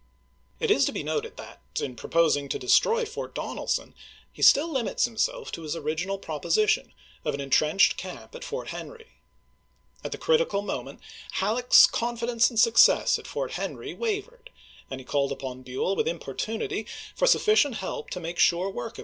It is to be noted that, 188 ABKAHAM LINCOLN CHAP. XI. ill proposing to destroy Fort Douelson, he still limits himself to his original proposition of an in trenched camp at Fort Henry. At the critical moment Halleck's confidence in success at Fort Bueiito Henry wavered, and he called upon Buell with jan"'23.' importunity for sufficient help to make sure work voivi'i